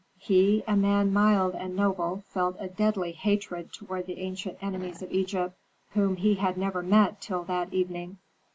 He, a man mild and noble, felt a deadly hatred toward the ancient enemies of Egypt, whom he had never met till that evening.